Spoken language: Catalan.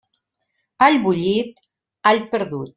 All bullit, all perdut.